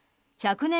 １００年